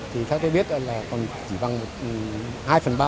thì pháp thế biết là còn chỉ văng hai phần ba